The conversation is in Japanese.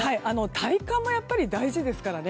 体感も大事ですからね。